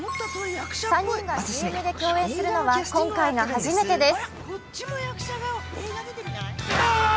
３人がＣＭで共演するのは今回が初めてです。